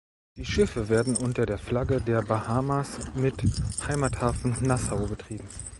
Die Schiffe werden unter der Flagge der Bahamas mit Heimathafen Nassau betrieben.